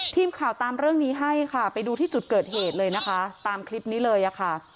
ทีมข่าวตามเรื่องนี้ให้ค่ะไปดูที่จุดเกิดเหตุเลยนะคะตามคลิปนี้เลยอะค่ะ